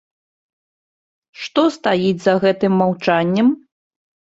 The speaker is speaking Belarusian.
Што стаіць за гэтым маўчаннем?